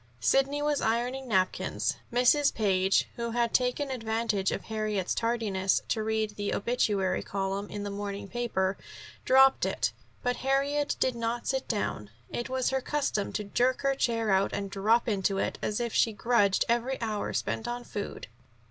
Sidney was ironing napkins. Mrs. Page, who had taken advantage of Harriet's tardiness to read the obituary column in the morning paper, dropped it. But Harriet did not sit down. It was her custom to jerk her chair out and drop into it, as if she grudged every hour spent on food.